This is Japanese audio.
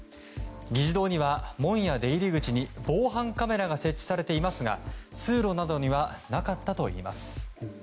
議事堂には、門や出入り口に防犯カメラが設置されていましたが通路などにはなかったといいます。